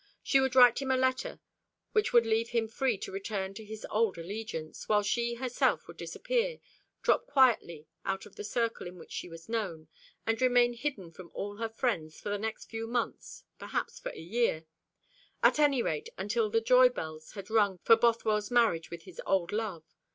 She would write him a letter which would leave him free to return to his old allegiance, while she herself would disappear, drop quietly out of the circle in which she was known, and remain hidden from all her friends for the next few months, perhaps for a year: at any rate until the joy bells had rung for Bothwell's marriage with his old love.